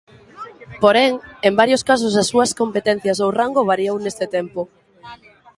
Porén, en varios casos as súas competencias ou rango variou neste tempo.